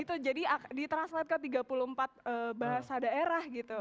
itu jadi di translate ke tiga puluh empat bahasa daerah gitu